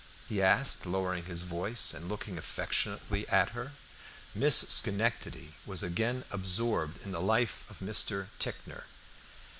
he asked, lowering his voice, and looking affectionately at her. Miss Schenectady was again absorbed in the life of Mr. Ticknor.